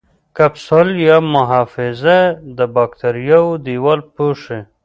کپسول یا محفظه د باکتریاوو دیوال پوښي.